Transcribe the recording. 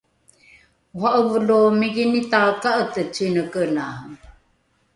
ora’eve lo mikini taka’ete cinekelae